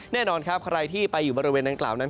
แน่นอนครับใครที่ไปอยู่บริเวณดังกล่าวนั้น